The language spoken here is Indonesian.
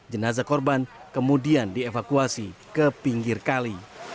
jenazah korban kemudian dievakuasi ke pinggir kali